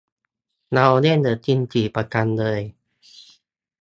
เราเล่นเดอะซิมส์สี่ประจำเลย